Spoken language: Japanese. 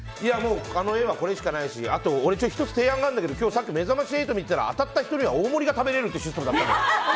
あの絵は、これしかないし俺１つ提案があるんだけど今日、「めざまし８」見たら当たった１人は大盛りが食べられるっていうシステムだったの。